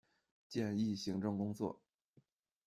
简易行政工作